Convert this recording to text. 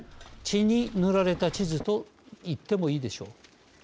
血に塗られた地図といってもいいでしょう。